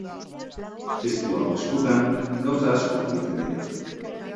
Testu hau eskutan, gauza asko argitzen dira.